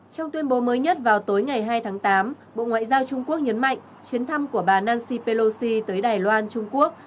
trong tuyên bố mới nhất vào tối ngày hai tháng tám bộ ngoại giao trung quốc nhấn mạnh chuyến thăm của bà nancy pelosi tới đài loan trung quốc